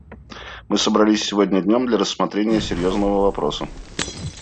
Мы собрались сегодня днем для рассмотрения серьезного вопроса.